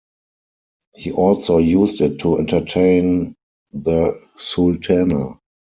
He also used it to entertain the Sultana.